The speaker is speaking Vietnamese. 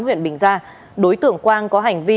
huyện bình gia đối tượng quang có hành vi